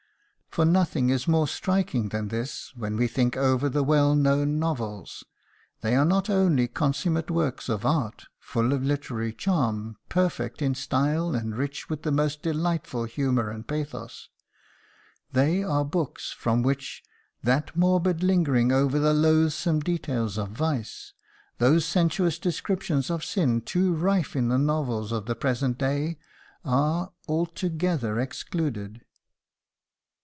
For nothing is more striking than this when we think over the well known novels they are not only consummate works of art, full of literary charm, perfect in style and rich with the most delightful humour and pathos they are books from which that morbid lingering over the loathsome details of vice, those sensuous descriptions of sin too rife in the novels of the present day, are altogether excluded.